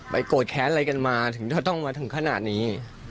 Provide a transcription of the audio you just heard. โกรธแค้นอะไรกันมาถึงจะต้องมาถึงขนาดนี้